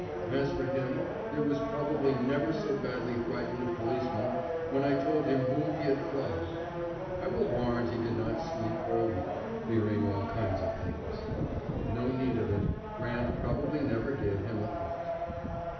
As for him, there was probably never so badly frightened a policeman when I told him whom he had clubbed. I will warrant he did not sleep for a week, fearing all kinds of things. No need of it. Grant probably never gave him a thought.